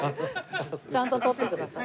ちゃんと取ってください。